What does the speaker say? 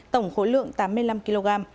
tổng khối lượng tám mươi năm kg